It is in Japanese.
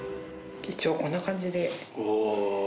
一応こんな感じで。